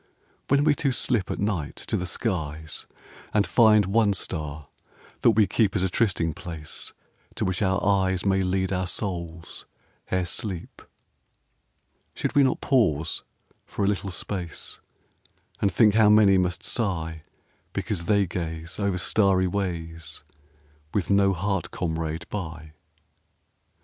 When we two slip at night to the skies And find one star that we keep As a trysting place to which our eyes May lead our souls ere sleep, Should we not pause for a little space And think how many must sigh Because they gaze over starry ways With no heart comrade by?